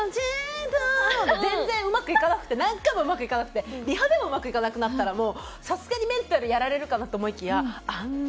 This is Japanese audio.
全然うまくいかなくて何回もうまくいかなくてリハでもうまくいかなくなったらもうさすがにメンタルやられるかなと思いきやあんな